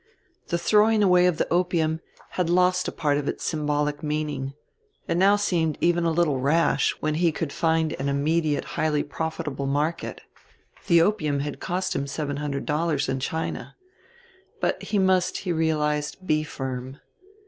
The throwing away of the opium had lost a part of its symbolic meaning. It now seemed even a little rash when he could find an immediate highly profitable market the opium had cost him seven hundred dollars in China. But he must, he realized, be firm.